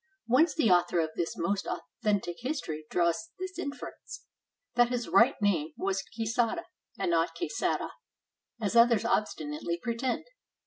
Whence the author of this most authen tic history draws this inference, that his right name was Quixada, and not Quesada, as others obstinately pre tend.